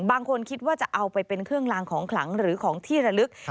บางคนคิดว่าจะเอาไปเป็นเครื่องลางของขลังหรือของที่ระลึก